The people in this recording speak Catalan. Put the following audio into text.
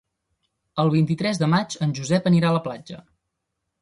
El vint-i-tres de maig en Josep anirà a la platja.